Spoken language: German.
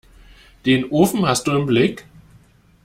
Den Ofen hast du im Blick?